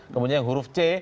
kemudian yang huruf c